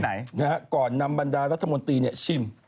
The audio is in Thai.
เมื่อก่อนนำบรรดารัฐมนตรีชิม